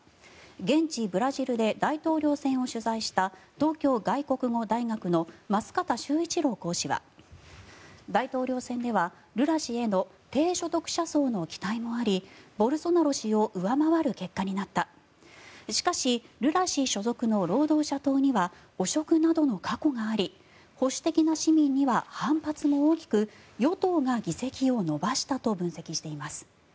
現地ブラジルで大統領選を取材した東京外国語大学の舛方周一郎講師は大統領選ではルラ氏への低所得者層の期待もありボルソナロ氏を上回る結果になったしかしルラ氏所属の労働者党には汚職などの過去があり保守的な市民には反発も大きく与党が議席を伸ばしたと分析しています。